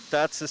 dan di sini